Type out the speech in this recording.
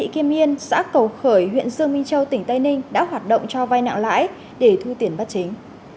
các cầu khởi huyện dương minh châu tỉnh tây ninh đã hoạt động cho vay nạng lãi để thu tiền bắt chính